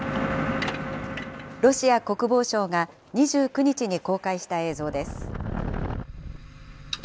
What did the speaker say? ロシア国防省が、２９日に公開した映像です。